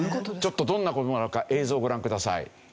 ちょっとどんな事なのか映像をご覧ください。